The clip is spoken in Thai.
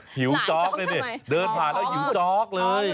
หิวจ๊อกเลยเนี่ยเดินผ่านแล้วหิวจ๊อกเลย